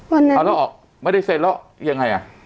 วันนั้นเอาแล้วออกไม่ได้เซ็นแล้วยังไงอ่ะ